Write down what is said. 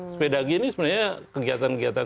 sepedagi ini sebenarnya kegiatan kegiatan